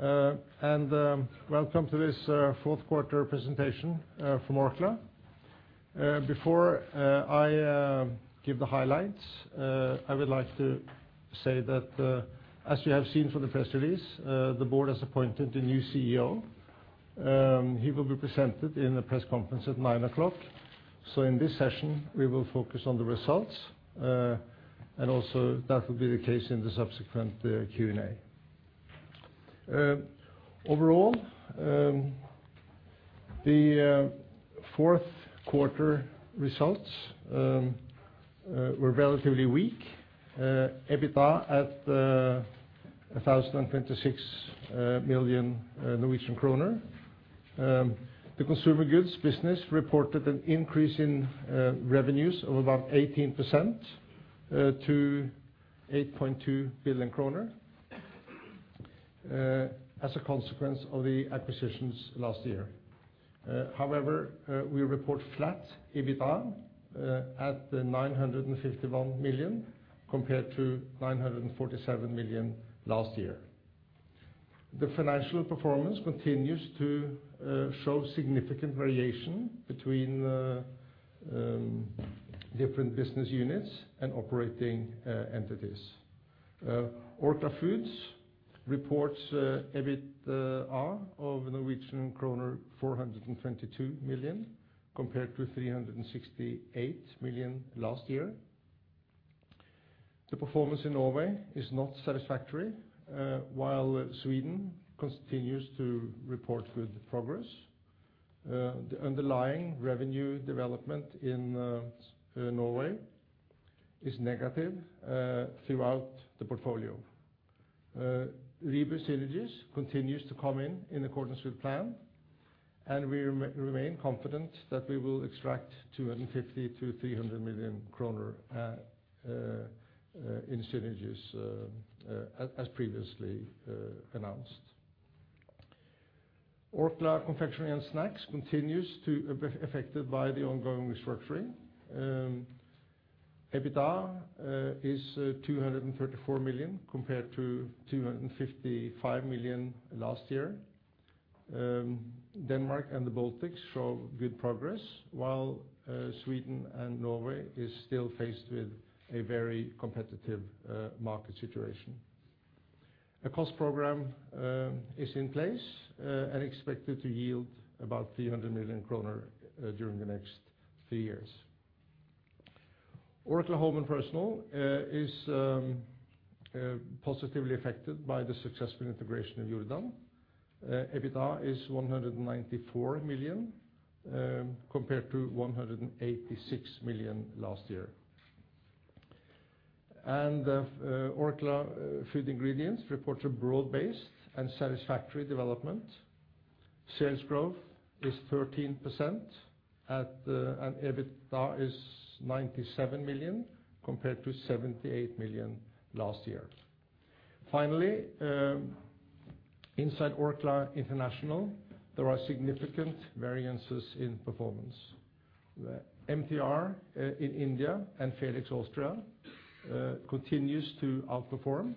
Welcome to this fourth quarter presentation from Orkla. Before I give the highlights, I would like to say that as we have seen from the press release, the board has appointed a new CEO. He will be presented in the press conference at 9:00 A.M. So in this session, we will focus on the results, and also that will be the case in the subsequent Q&A. Overall, the fourth quarter results were relatively weak. EBITDA at 1,026 million Norwegian kroner. The Consumer goods Business reported an increase in revenues of about 18% to 8.2 billion kroner as a consequence of the acquisitions last year. However, we report flat EBITDA at 951 million compared to 947 million last year. The financial performance continues to show significant variation between different business units and operating entities. Orkla Foods reports EBITDA of Norwegian kroner 422 million compared to 368 million last year. The performance in Norway is not satisfactory, while Sweden continues to report good progress. The underlying revenue development in Norway is negative throughout the portfolio. Rieber synergies continue to come in accordance with plan. We remain confident that we will extract 250 million-300 million kroner in synergies as previously announced. Orkla Confectionery & Snacks continues to be affected by the ongoing restructuring. EBITDA is 234 million compared to 255 million last year. Denmark and the Baltics show good progress, while Sweden and Norway are still faced with a very competitive market situation. A cost program is in place and expected to yield about 300 million kroner during the next three years. Orkla Home & Personal is positively affected by the successful integration of Jordan. EBITDA is 194 million compared to 186 million last year. Orkla Food Ingredients reports a broad-based and satisfactory development. Sales growth is 13%. EBITDA is 97 million compared to 78 million last year. Finally, inside Orkla International, there are significant variances in performance. MTR in India and Felix Austria continue to outperform.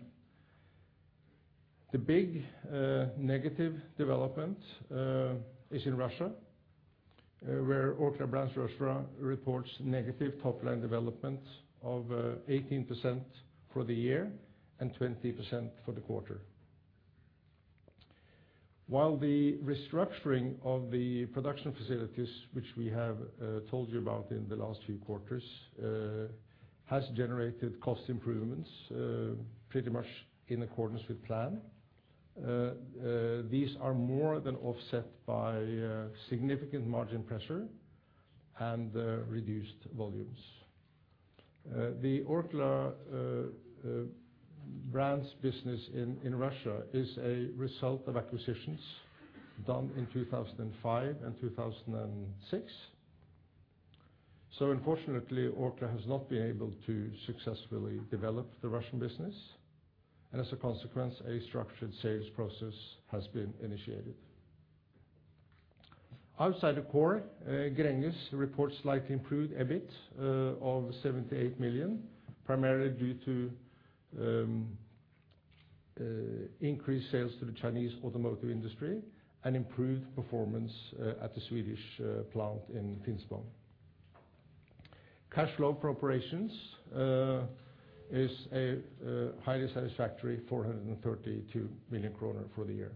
The big negative development is in Russia, where Orkla Brands Russia reports negative top-line development of 18% for the year and 20% for the quarter. While the restructuring of the production facilities, which we have told you about in the last few quarters, have generated cost improvements, pretty much in accordance with plan. These are more than offset by significant margin pressure and reduced volumes. The Orkla Brands business in Russia is a result of acquisitions done in 2005 and 2006. Unfortunately, Orkla has not been able to successfully develop the Russian business, and as a consequence, a structured sales process has been initiated. Outside the core, Gränges reports slightly improved EBIT of 78 million, primarily due to increased sales to the Chinese automotive industry and improved performance at the Swedish plant in Finspång. Cash flow for operations is a highly satisfactory 432 million kroner for the year.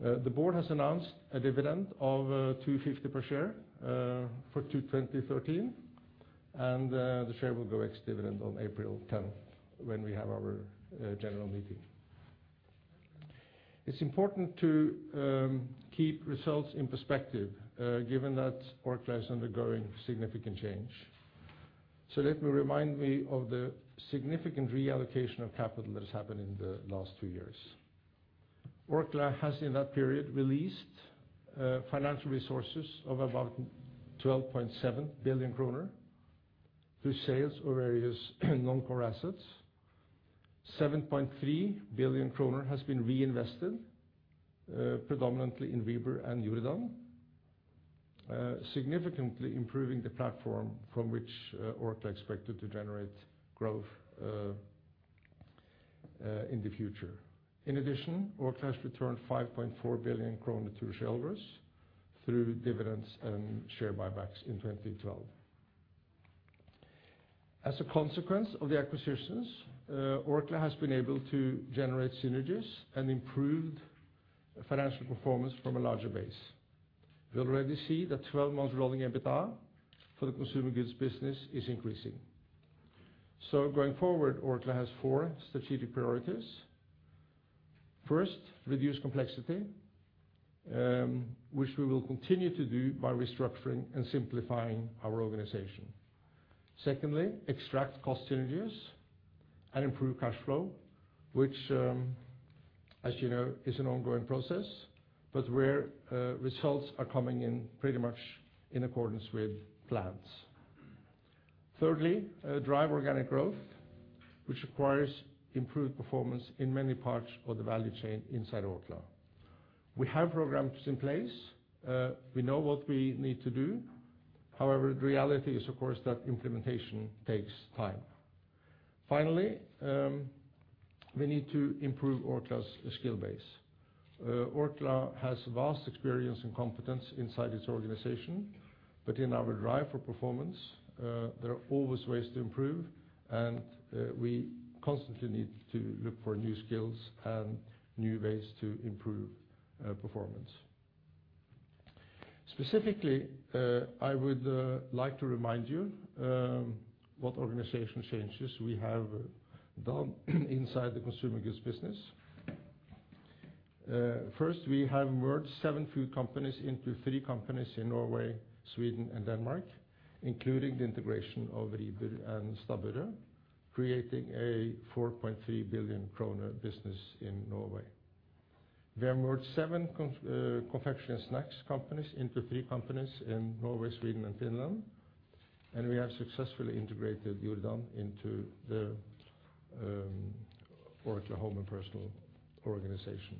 The board has announced a dividend of 250 per share for 2013, and the share will go ex-dividend on April 10th when we have our general meeting. It's important to keep results in perspective, given that Orkla is undergoing significant change. Let me remind me of the significant reallocation of capital that has happened in the last two years. Orkla has in that period, released financial resources of about 12.7 billion kroner through sales of various non-core assets. 7.3 billion kroner has been reinvested predominantly in Rieber and Jordan. Significantly improving the platform from which Orkla expected to generate growth in the future. In addition, Orkla has returned 5.4 billion kroner to shareholders through dividends and share buybacks in 2012. As a consequence of the acquisitions, Orkla has been able to generate synergies and improved financial performance from a larger base. We already see that 12 months rolling EBITDA for the consumer goods business is increasing. Going forward, Orkla has four strategic priorities. First, reduce complexity, which we will continue to do by restructuring and simplifying our organization. Secondly, extract cost synergies and improve cash flow, which, as you know, is an ongoing process, but where results are coming in pretty much in accordance with plans. Thirdly, drive organic growth, which requires improved performance in many parts of the value chain inside Orkla. We have programs in place. We know what we need to do. However, the reality is, of course, that implementation takes time. Finally, we need to improve Orkla's skill base. Orkla has vast experience and competence inside its organization, but in our drive for performance, there are always ways to improve, and we constantly need to look for new skills and new ways to improve performance. Specifically, I would like to remind you what organization changes we have done inside the consumer goods business. First, we have merged seven food companies into three companies in Norway, Sweden, and Denmark, including the integration of Rieber and Stabburet, creating a 4.3 billion kroner business in Norway. We have merged seven confectionery snacks companies into three companies in Norway, Sweden, and Finland, and we have successfully integrated Jordan into the Orkla Home & Personal organization.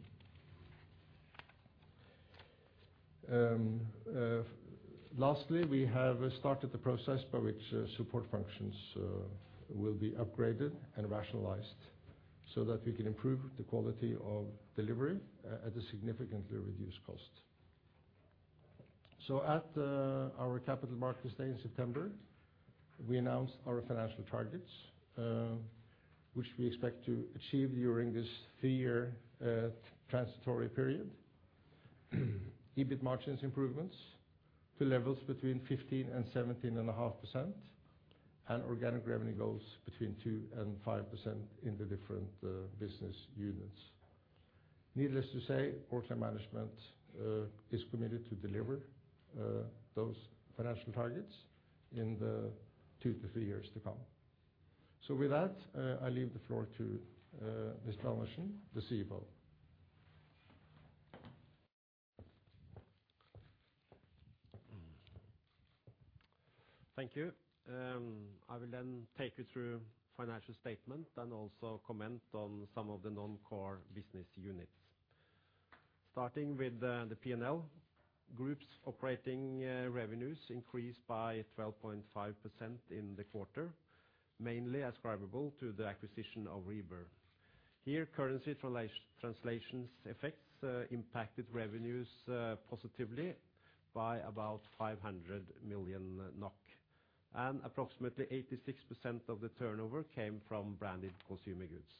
Lastly, we have started the process by which support functions will be upgraded and rationalized so that we can improve the quality of delivery at a significantly reduced cost. At our capital markets day in September, we announced our financial targets, which we expect to achieve during this three-year transitory period. EBIT margins improvements to levels between 15%-17.5%, and organic revenue goals between 2%-5% in the different business units. Needless to say, Orkla management is committed to deliver those financial targets in the two to three years to come. With that, I leave the floor to Mr. Andersen, the CFO. Thank you. I will take you through financial statement and also comment on some of the non-core business units. Starting with the P&L, group's operating revenues increased by 12.5% in the quarter, mainly ascribable to the acquisition of Rieber. Here, currency translations effects impacted revenues positively by about 500 million NOK, and approximately 86% of the turnover came from branded consumer goods.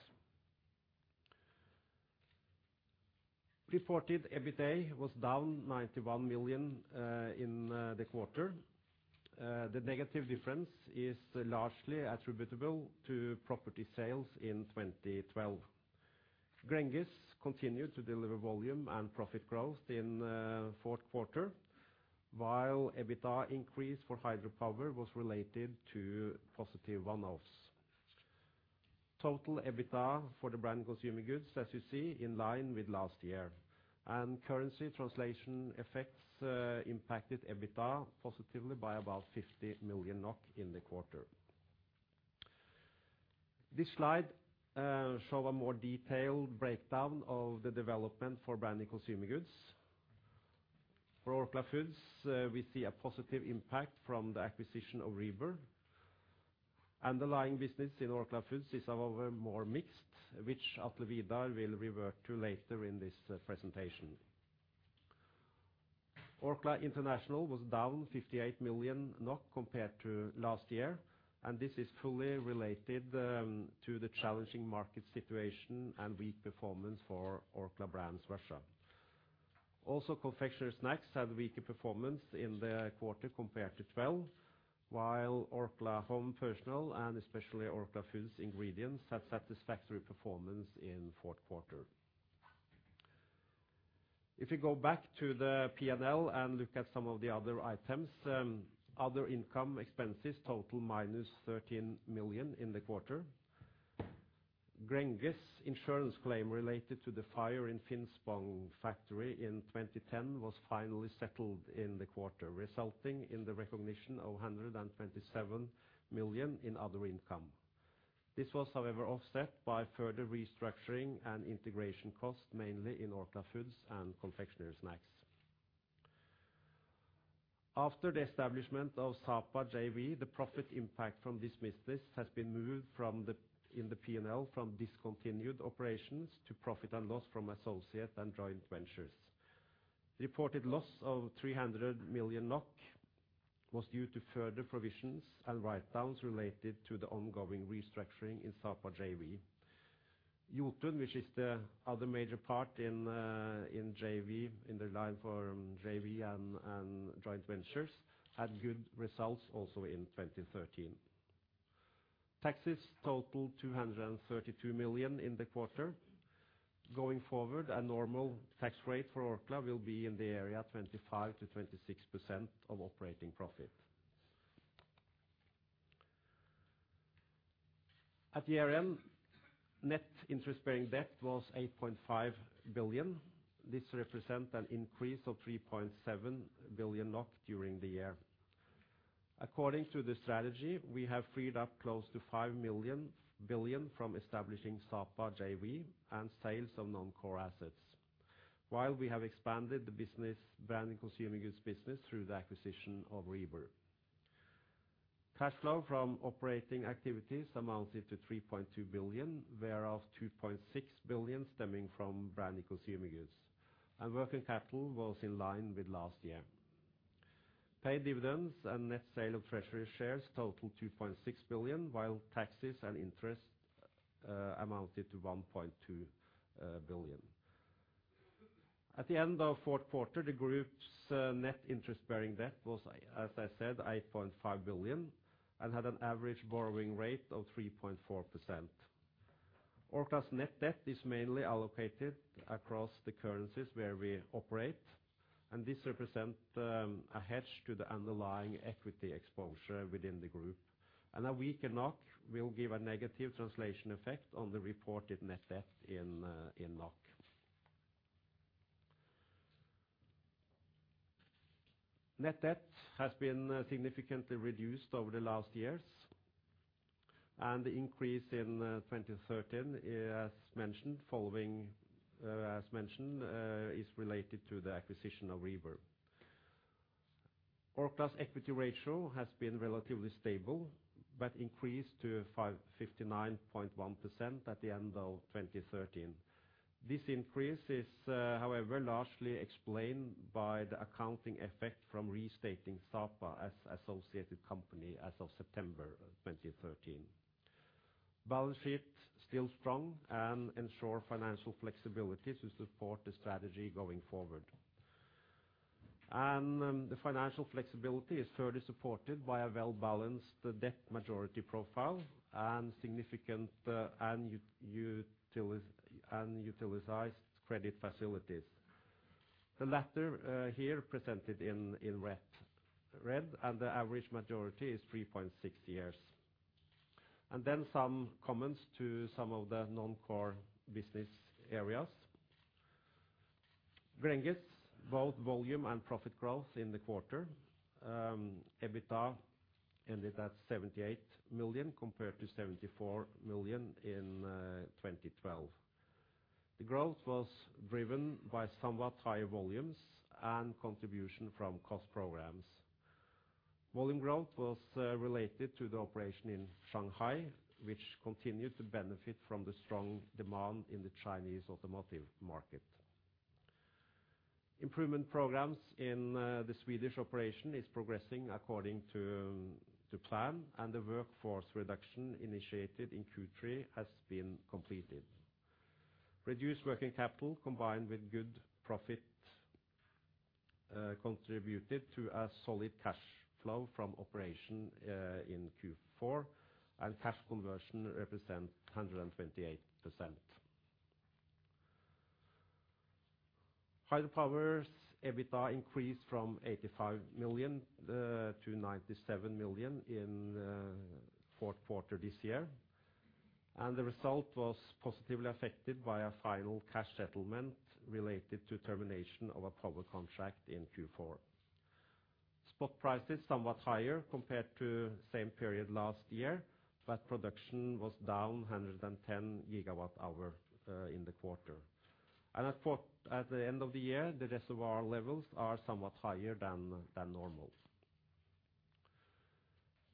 Reported EBITDA was down 91 million in the quarter. The negative difference is largely attributable to property sales in 2012. Gränges continued to deliver volume and profit growth in fourth quarter, while EBITDA increase for Hydro was related to positive one-offs. Total EBITDA for the Branded Consumer Goods, as you see, in line with last year. Currency translation effects impacted EBITDA positively by about 50 million NOK in the quarter. This slide show a more detailed breakdown of the development for branded consumer goods. For Orkla Foods, we see a positive impact from the acquisition of Rieber. Underlying business in Orkla Foods is, however, more mixed, which Atle Vidar will revert to later in this presentation. Orkla International was down 58 million NOK compared to last year, and this is fully related to the challenging market situation and weak performance for Orkla Brands Russia. Orkla Confectionery & Snacks had weaker performance in the quarter compared to 2012, while Orkla Home & Personal and especially Orkla Food Ingredients had satisfactory performance in fourth quarter. We go back to the P&L and look at some of the other items. Other income expenses total minus 13 million in the quarter. Gränges insurance claim related to the fire in Finspång factory in 2010 was finally settled in the quarter, resulting in the recognition of 127 million in other income. This was however offset by further restructuring and integration costs, mainly in Orkla Foods and Orkla Confectionery & Snacks. After the establishment of Sapa JV, the profit impact from this business has been moved in the P&L from discontinued operations to profit and loss from associates and joint ventures. Reported loss of 300 million NOK was due to further provisions and write-downs related to the ongoing restructuring in Sapa JV. Jotun, which is the other major part in the line for JV and joint ventures, had good results also in 2013. Taxes totaled 232 million in the quarter. A normal tax rate for Orkla will be in the area of 25%-26% of operating profit. At year-end, net interest-bearing debt was 8.5 billion. This represents an increase of 3.7 billion NOK during the year. We have freed up close to 5 billion from establishing Sapa JV and sales of non-core assets, while we have expanded the Branded Consumer Goods business through the acquisition of Rieber. Cash flow from operating activities amounted to 3.2 billion, whereof 2.6 billion stemming from Branded Consumer Goods. Working capital was in line with last year. Paid dividends and net sale of treasury shares totaled 2.6 billion, while taxes and interest amounted to 1.2 billion. At the end of fourth quarter, the group's net interest-bearing debt was, as I said, 8.5 billion and had an average borrowing rate of 3.4%. Orkla's net debt is mainly allocated across the currencies where we operate, and this represents a hedge to the underlying equity exposure within the group. A weaker NOK will give a negative translation effect on the reported net debt in NOK. Net debt has been significantly reduced over the last years. The increase in 2013, as mentioned, is related to the acquisition of Rieber. Orkla's equity ratio has been relatively stable, but increased to 59.1% at the end of 2013. This increase is, however, largely explained by the accounting effect from restating Sapa as associated company as of September 2013. Balance sheet still strong and ensure financial flexibility to support the strategy going forward. The financial flexibility is further supported by a well-balanced debt maturity profile and significant unutilized credit facilities. The latter here presented in red. The average maturity is 3.6 years. Some comments to some of the non-core business areas. Gränges, both volume and profit growth in the quarter. EBITDA ended at 78 million, compared to 74 million in 2012. The growth was driven by somewhat higher volumes and contribution from cost programs. Volume growth was related to the operation in Shanghai, which continued to benefit from the strong demand in the Chinese automotive market. Improvement programs in the Swedish operation is progressing according to plan, and the workforce reduction initiated in Q3 has been completed. Reduced working capital combined with good profit contributed to a solid cash flow from operation in Q4, and cash conversion represent 128%. Hydropower's EBITDA increased from 85 million to 97 million in fourth quarter this year. The result was positively affected by a final cash settlement related to termination of a power contract in Q4. Spot prices somewhat higher compared to same period last year, but production was down 110 gigawatt hour in the quarter. At the end of the year, the reservoir levels are somewhat higher than normal.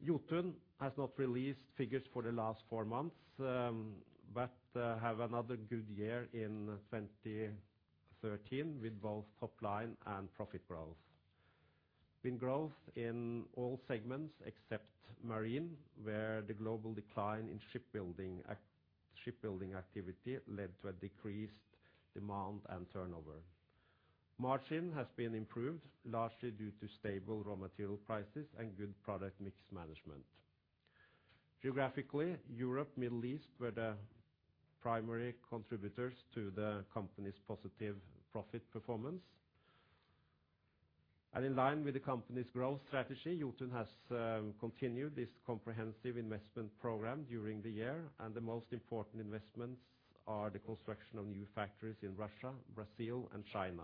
Jotun has not released figures for the last four months, but have another good year in 2013 with both top line and profit growth. Been growth in all segments except Marine, where the global decline in shipbuilding activity led to a decreased demand and turnover. Margin has been improved, largely due to stable raw material prices and good product mix management. Geographically, Europe, Middle East were the primary contributors to the company's positive profit performance. In line with the company's growth strategy, Jotun has continued this comprehensive investment program during the year, and the most important investments are the construction of new factories in Russia, Brazil, and China.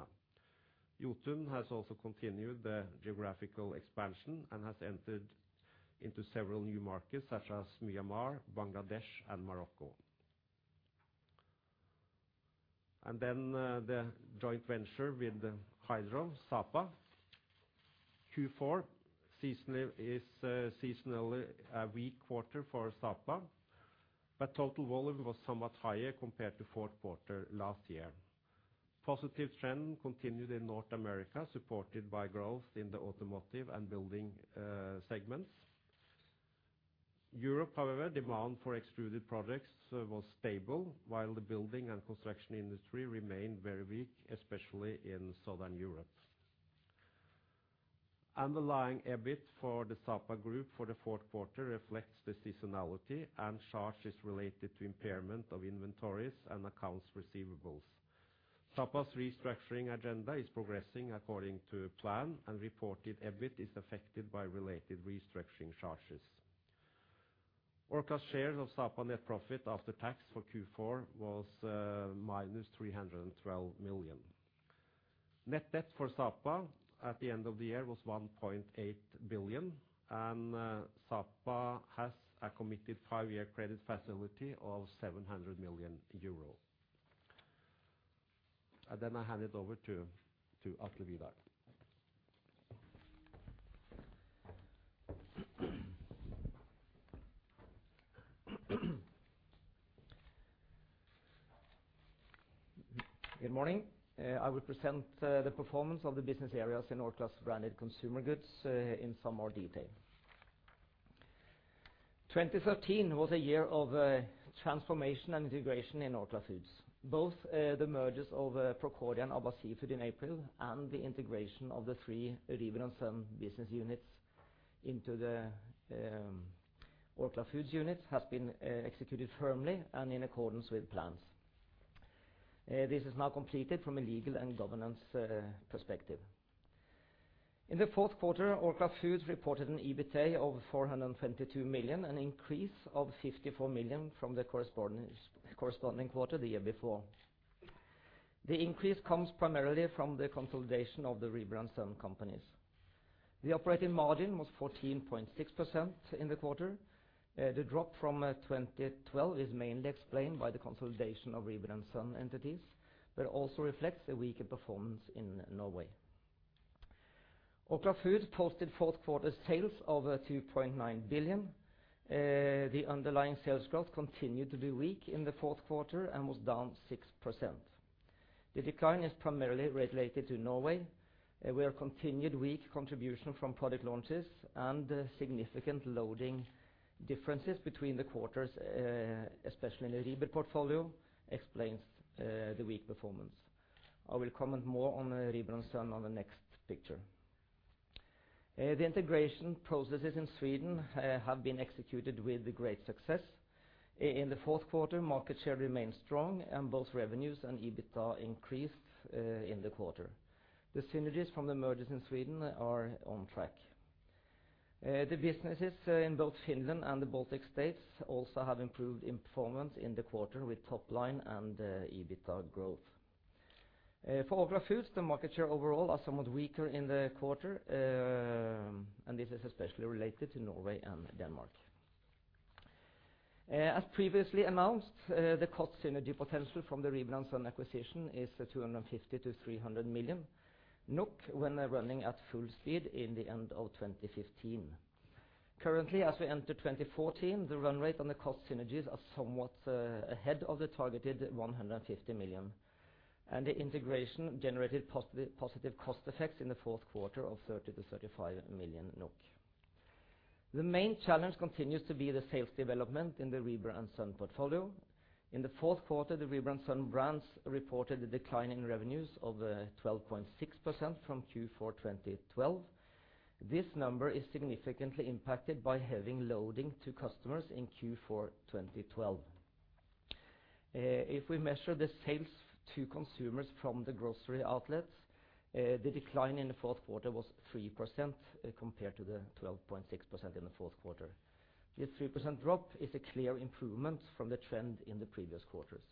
Jotun has also continued the geographical expansion and has entered into several new markets, such as Myanmar, Bangladesh, and Morocco. The joint venture with Hydro, Sapa. Q4 is a seasonally weak quarter for Sapa, but total volume was somewhat higher compared to fourth quarter last year. Positive trend continued in North America, supported by growth in the automotive and building segments. Europe, however, demand for extruded products was stable while the building and construction industry remained very weak, especially in Southern Europe. Underlying EBIT for the Sapa Group for the fourth quarter reflects the seasonality and charges related to impairment of inventories and accounts receivables. Sapa's restructuring agenda is progressing according to plan, and reported EBIT is affected by related restructuring charges. Orkla's shares of Sapa net profit after tax for Q4 was minus 312 million. Net debt for Sapa at the end of the year was 1.8 billion, and Sapa has a committed five-year credit facility of 700 million euro. I hand it over to Atle Vidar. Good morning. I will present the performance of the business areas in Orkla's Branded Consumer Goods in some more detail. 2013 was a year of transformation and integration in Orkla Foods. Both the mergers of Procordia and Abba Seafood in April and the integration of the three Rieber & Søn business units into the Orkla Foods units has been executed firmly and in accordance with plans. This is now completed from a legal and governance perspective. In the fourth quarter, Orkla Foods reported an EBITA of 422 million, an increase of 54 million from the corresponding quarter the year before. The increase comes primarily from the consolidation of the Rieber & Søn companies. The operating margin was 14.6% in the quarter. The drop from 2012 is mainly explained by the consolidation of Rieber & Søn entities, but it also reflects a weaker performance in Norway. Orkla Foods posted fourth quarter sales over 2.9 billion. The underlying sales growth continued to be weak in the fourth quarter and was down 6%. The decline is primarily related to Norway, where continued weak contribution from product launches and significant loading differences between the quarters, especially in the Rieber portfolio, explains the weak performance. I will comment more on Rieber & Søn on the next picture. The integration processes in Sweden have been executed with great success. In the fourth quarter, market share remained strong and both revenues and EBITA increased in the quarter. The synergies from the mergers in Sweden are on track. The businesses in both Finland and the Baltic states also have improved in performance in the quarter with top line and EBITA growth. For Orkla Foods, the market share overall are somewhat weaker in the quarter, this is especially related to Norway and Denmark. As previously announced, the cost synergy potential from the Rieber & Søn acquisition is 250 million to 300 million when running at full speed in the end of 2015. Currently, as we enter 2014, the run rate on the cost synergies are somewhat ahead of the targeted 150 million, the integration generated positive cost effects in the fourth quarter of 30 million to 35 million NOK. The main challenge continues to be the sales development in the Rieber & Søn portfolio. In the fourth quarter, the Rieber & Søn brands reported a decline in revenues of 12.6% from Q4 2012. This number is significantly impacted by having loading to customers in Q4 2012. If we measure the sales to consumers from the grocery outlets, the decline in the fourth quarter was 3% compared to the 12.6% in the fourth quarter. This 3% drop is a clear improvement from the trend in the previous quarters.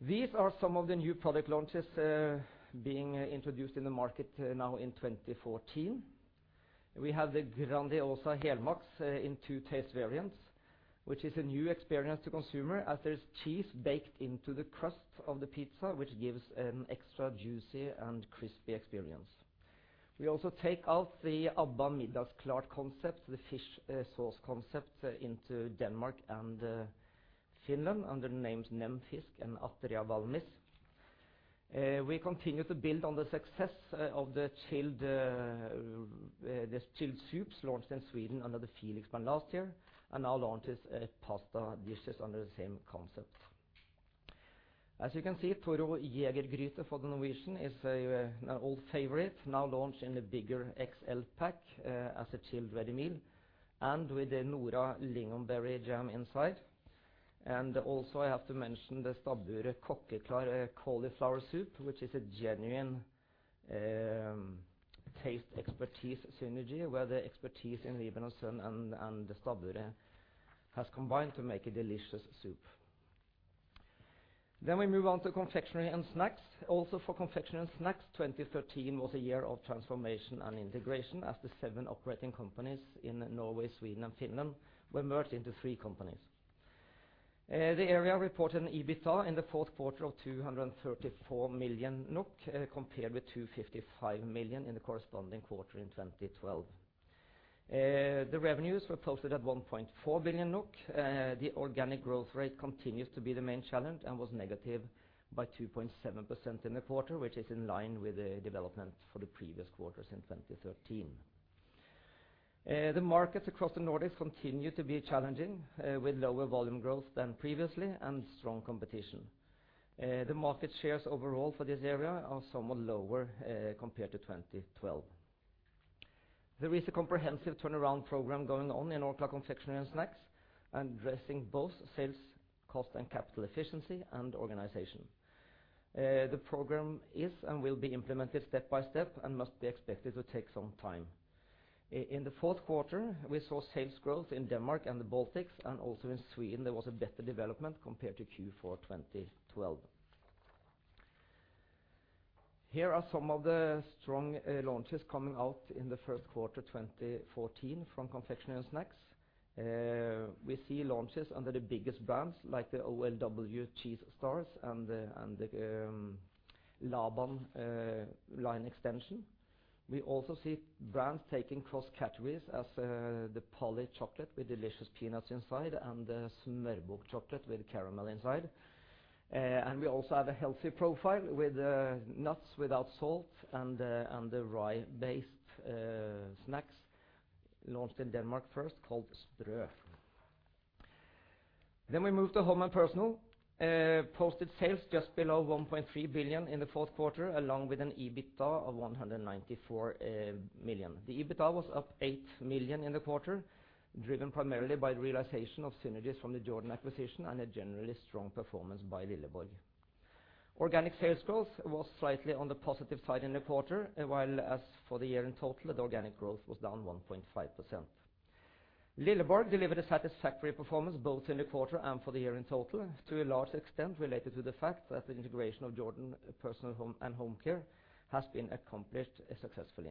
These are some of the new product launches being introduced in the market now in 2014. We have the Grandiosa Helmax in two taste variants, which is a new experience to consumer as there's cheese baked into the crust of the pizza, which gives an extra juicy and crispy experience. We also take out the Abba Middagsklart concept, the fish sauce concept, into Denmark and Finland under the names NemFisk and AteriaValmis. We continue to build on the success of the chilled soups launched in Sweden under the Felix brand last year and now launches pasta dishes under the same concept. As you can see, Toro Jægergryte for the Norwegian is an old favorite, now launched in the bigger XL pack as a chilled ready meal and with the Nora lingonberry jam inside. I also have to mention the Stabburet Kokkeklar cauliflower soup, which is a genuine taste expertise synergy where the expertise in Rieber & Søn and Stabburet has combined to make a delicious soup. We move on to confectionery and snacks. For confectionery and snacks, 2013 was a year of transformation and integration as the seven operating companies in Norway, Sweden, and Finland were merged into three companies. The area reported an EBITDA in the fourth quarter of 234 million NOK, compared with 255 million in the corresponding quarter in 2012. The revenues were posted at 1.4 billion NOK. The organic growth rate continues to be the main challenge and was negative by 2.7% in the quarter, which is in line with the development for the previous quarters in 2013. The markets across the Nordics continue to be challenging, with lower volume growth than previously and strong competition. The market shares overall for this area are somewhat lower compared to 2012. There is a comprehensive turnaround program going on in Orkla Confectionery & Snacks, addressing both sales, cost and capital efficiency, and organization. The program is and will be implemented step by step and must be expected to take some time. In the fourth quarter, we saw sales growth in Denmark and the Baltics, and also in Sweden there was a better development compared to Q4 2012. Here are some of the strong launches coming out in the first quarter 2014 from confectionery and snacks. We see launches under the biggest brands like the OLW Cheez Starz and the Laban line extension. We also see brands taking cross-categories as the Polly chocolate with delicious peanuts inside and the Sommerfugl chocolate with caramel inside. We also have a healthy profile with nuts without salt and the rye-based snacks launched in Denmark first called Strø. We move to home and personal. Posted sales just below 1.3 billion in the fourth quarter, along with an EBITDA of 194 million. The EBITDA was up 8 million in the quarter, driven primarily by the realization of synergies from the Jordan acquisition and a generally strong performance by Lilleborg. Organic sales growth was slightly on the positive side in the quarter, while as for the year in total, the organic growth was down 1.5%. Lilleborg delivered a satisfactory performance both in the quarter and for the year in total, to a large extent related to the fact that the integration of Jordan Personal & Home Care has been accomplished successfully.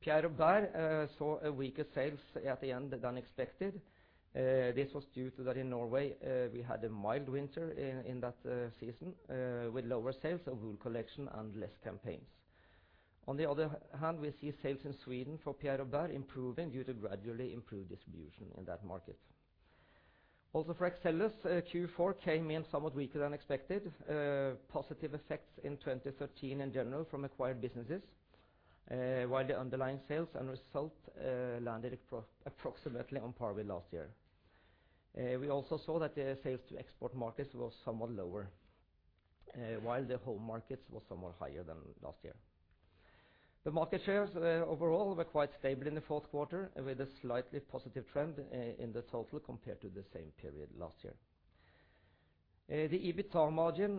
Pierre Robert saw weaker sales at the end than expected. This was due to that in Norway, we had a mild winter in that season with lower sales of wool collection and less campaigns. On the other hand, we see sales in Sweden for Pierre Robert improving due to gradually improved distribution in that market. Also for Axellus, Q4 came in somewhat weaker than expected. Positive effects in 2013 in general from acquired businesses, while the underlying sales and result landed approximately on par with last year. We also saw that the sales to export markets were somewhat lower, while the home markets were somewhat higher than last year. The market shares overall were quite stable in the fourth quarter, with a slightly positive trend in the total compared to the same period last year. The EBITDA margin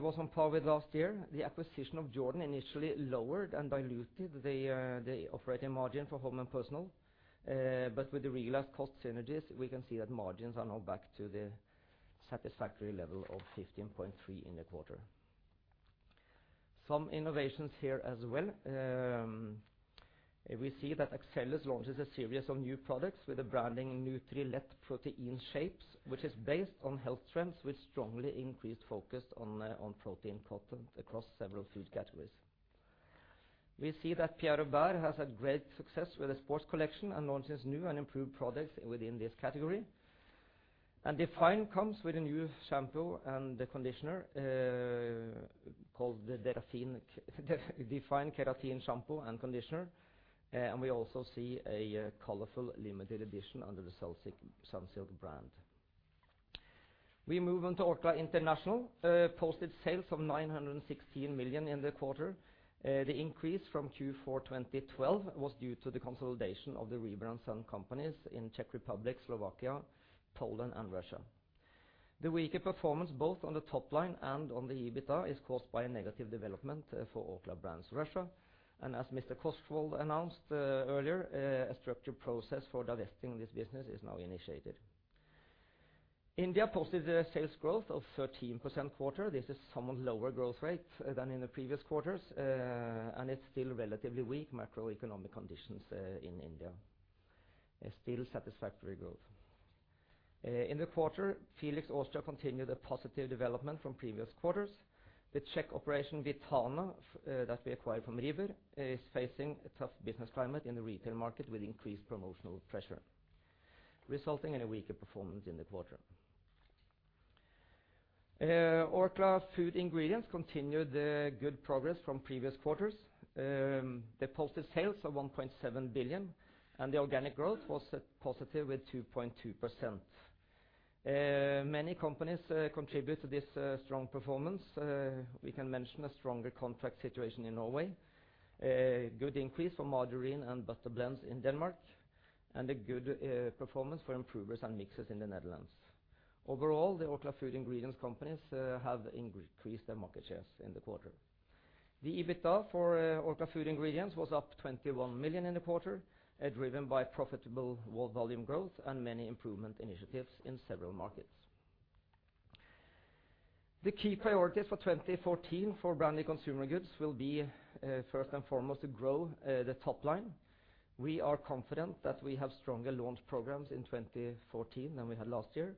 was on par with last year. The acquisition of Jordan initially lowered and diluted the operating margin for home and personal. With the realized cost synergies, we can see that margins are now back to the satisfactory level of 15.3% in the quarter. Some innovations here as well. We see that Axellus launches a series of new products with the branding Nutrilett Protein Shapes, which is based on health trends with strongly increased focus on protein content across several food categories. We see that Pierre Robert has had great success with the sports collection and launches new and improved products within this category. Define comes with a new shampoo and conditioner called the Define Keratin Shampoo and Conditioner. We also see a colorful limited edition under the Sunsilk brand. We move on to Orkla International, posted sales of 916 million in the quarter. The increase from Q4 2012 was due to the consolidation of the Rieber & Søn companies in Czech Republic, Slovakia, Poland and Russia. The weaker performance both on the top line and on the EBITDA is caused by a negative development for Orkla Brands Russia. As Mr. Korsvold announced earlier, a structured process for divesting this business is now initiated. India posted a sales growth of 13% quarter. This is somewhat lower growth rate than in the previous quarters, and it is still relatively weak macroeconomic conditions in India. Still satisfactory growth. In the quarter, Felix Austria continued a positive development from previous quarters. The Czech operation, Vitana, that we acquired from Rieber, is facing a tough business climate in the retail market with increased promotional pressure, resulting in a weaker performance in the quarter. Orkla Food Ingredients continued the good progress from previous quarters. They posted sales of 1.7 billion, and the organic growth was positive with 2.2%. Many companies contribute to this strong performance. We can mention a stronger contract situation in Norway, a good increase for margarine and butter blends in Denmark, and a good performance for improvers and mixes in the Netherlands. Overall, the Orkla Food Ingredients companies have increased their market shares in the quarter. The EBITDA for Orkla Food Ingredients was up 21 million in the quarter, driven by profitable volume growth and many improvement initiatives in several markets. The key priorities for 2014 for Branded Consumer Goods will be, first and foremost, to grow the top line. We are confident that we have stronger launch programs in 2014 than we had last year,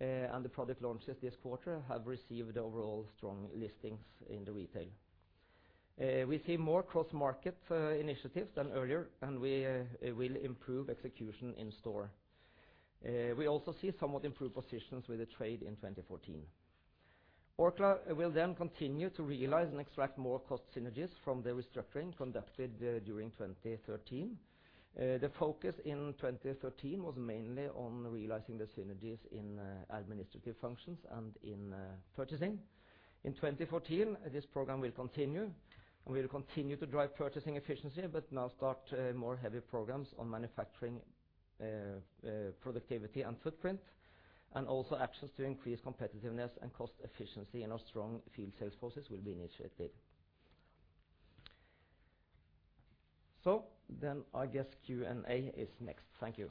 and the product launches this quarter have received overall strong listings in retail. We see more cross-market initiatives than earlier, and we will improve execution in-store. We also see somewhat improved positions with the trade in 2014. Orkla will then continue to realize and extract more cost synergies from the restructuring conducted during 2013. The focus in 2013 was mainly on realizing the synergies in administrative functions and in purchasing. In 2014, this program will continue, and we will continue to drive purchasing efficiency but now start more heavy programs on manufacturing productivity and footprint, and also actions to increase competitiveness and cost efficiency in our strong field sales forces will be initiated. I guess Q&A is next. Thank you.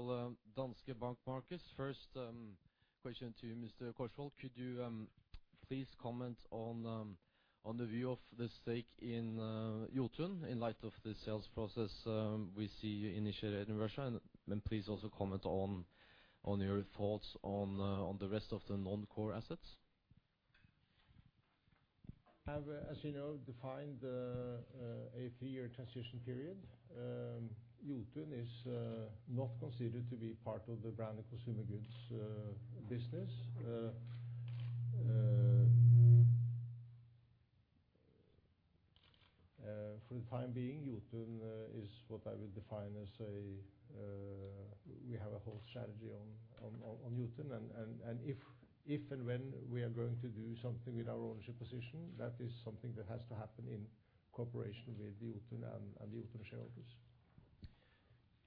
Well, Danske Bank, Marcus. First question to Mr. Korsvold. Could you please comment on the view of the stake in Jotun in light of the sales process we see initiated in Russia? Please also comment on your thoughts on the rest of the non-core assets. As you know, we have defined a three-year transition period. Jotun is not considered to be part of the branded consumer goods business. For the time being, Jotun is what I would define as. We have a whole strategy on Jotun, and if and when we are going to do something with our ownership position, that is something that has to happen in cooperation with Jotun and the Jotun shareholders.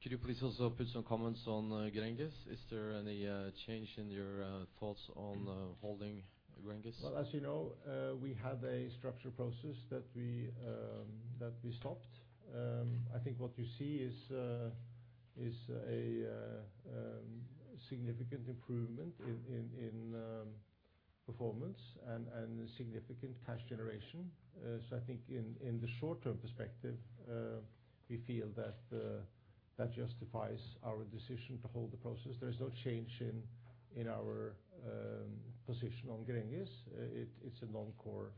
Could you please also put some comments on Gränges? Is there any change in your thoughts on holding Gränges? Well, as you know, we had a structure process that we stopped. I think what you see is a significant improvement in performance and a significant cash generation. I think in the short-term perspective, we feel that justifies our decision to hold the process. There is no change in our position on Gränges. It's a non-core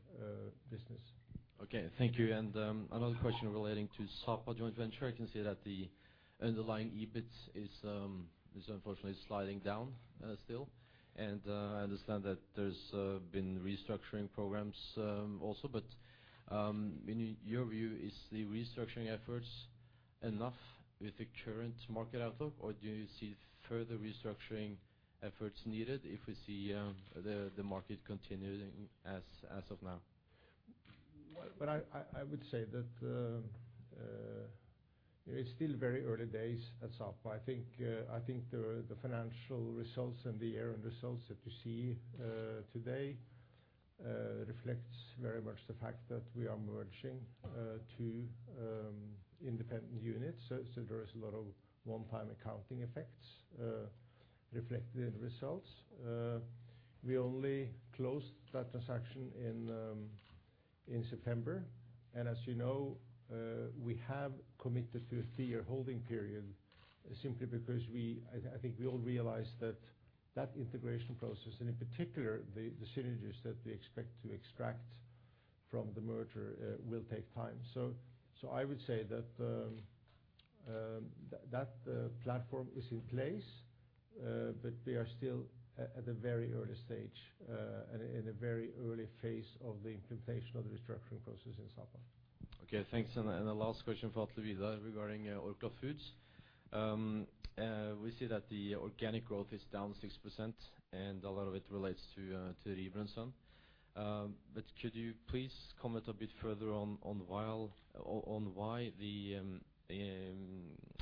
business. Okay. Thank you. Another question relating to Sapa joint venture. I can see that the underlying EBIT is unfortunately sliding down still. I understand that there's been restructuring programs also, but in your view, is the restructuring efforts enough with the current market outlook? Do you see further restructuring efforts needed if we see the market continuing as of now? I would say that it's still very early days at Sapa. I think the financial results and the earn results that you see today reflects very much the fact that we are merging two independent units. There is a lot of one-time accounting effects reflected in results. We only closed that transaction in September. As you know, we have committed to a three-year holding period simply because I think we all realize that that integration process, and in particular, the synergies that we expect to extract from the merger will take time. I would say that platform is in place, but we are still at a very early stage, in a very early phase of the implementation of the restructuring process in Sapa. Okay, thanks. The last question for Atle Vidar regarding Orkla Foods. We see that the organic growth is down 6%, and a lot of it relates to the Rieber & Søn. Could you please comment a bit further on why the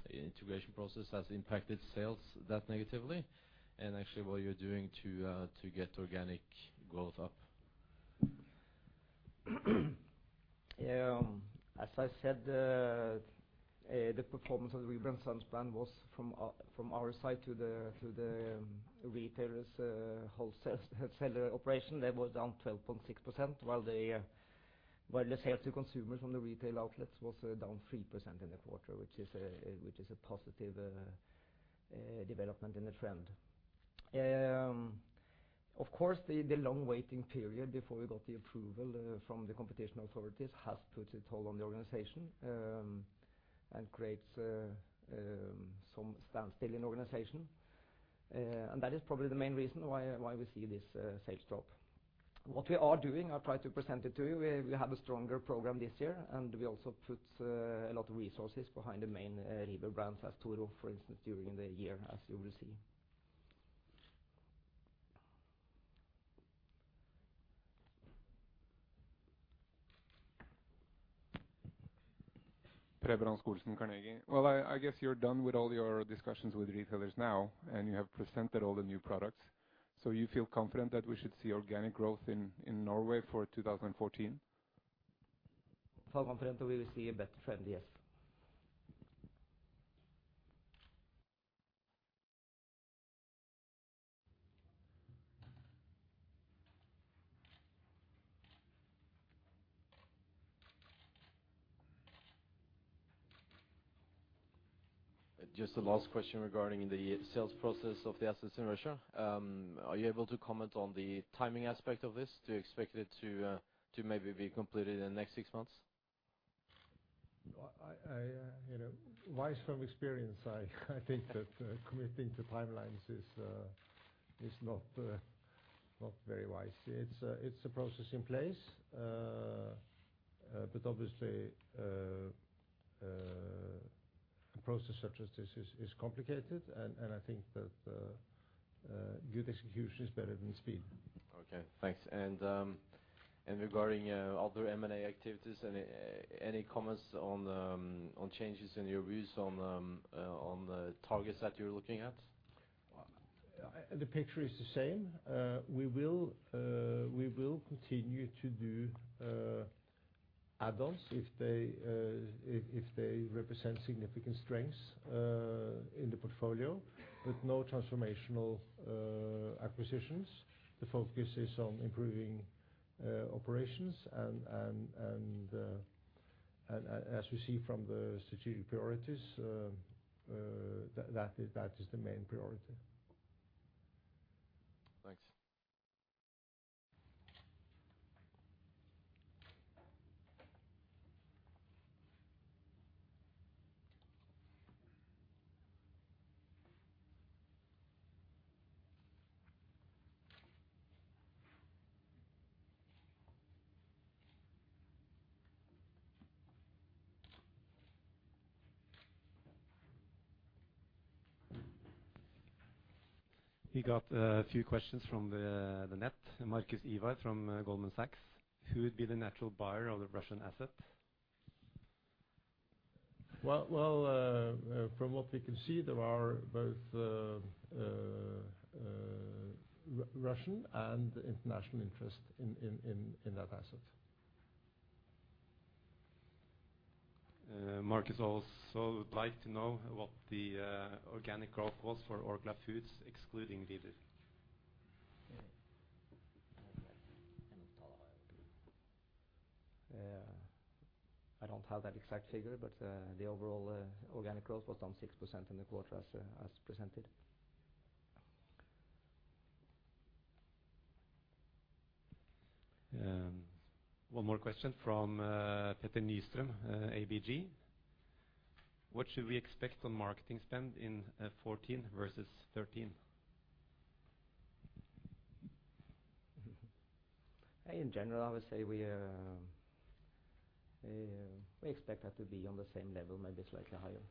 integration process has impacted sales that negatively, and actually what you're doing to get organic growth up? As I said, the performance of the Rieber & Søn plan was from our side to the retailer's wholesale operation. That was down 12.6%, while the sales to consumers from the retail outlets was down 3% in the quarter, which is a positive development in the trend. Of course, the long waiting period before we got the approval from the competition authorities has put a toll on the organization, and creates some standstill in the organization. That is probably the main reason why we see this sales drop. What we are doing, I try to present it to you, we have a stronger program this year, and we also put a lot of resources behind the main Rieber brands as Toro, for instance, during the year, as you will see. Preben Rasch-Olsen, Carnegie. Well, I guess you're done with all your discussions with retailers now, and you have presented all the new products. You feel confident that we should see organic growth in Norway for 2014? I feel confident we will see a better trend, yes. Just a last question regarding the sales process of the assets in Russia. Are you able to comment on the timing aspect of this? Do you expect it to maybe be completed in the next six months? Wise from experience, I think that committing to timelines is not very wise. It's a process in place. Obviously, a process such as this is complicated, and I think that good execution is better than speed. Okay. Thanks. Regarding other M&A activities, any comments on changes in your views on the targets that you're looking at? The picture is the same. We will continue to do add-ons if they represent significant strengths in the portfolio, but no transformational acquisitions. The focus is on improving operations. As we see from the strategic priorities, that is the main priority. Thanks. We got a few questions from the net. Markus Iwar from Goldman Sachs. Who would be the natural buyer of the Russian asset? Well, from what we can see, there are both Russian and international interest in that asset. Markus also would like to know what the organic growth was for Orkla Foods, excluding Rieber. I don't have that exact figure, but the overall organic growth was down 6% in the quarter as presented. One more question from Petter Nystrøm, ABG. What should we expect on marketing spend in 2014 versus 2013? In general, I would say we expect that to be on the same level, maybe slightly higher.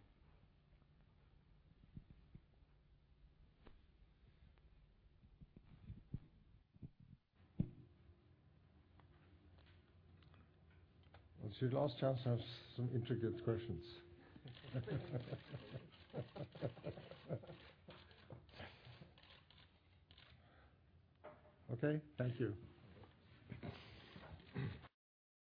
It's your last chance to ask some intricate questions. Okay. Thank you.